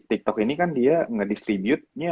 tiktok ini kan dia ngedistributenya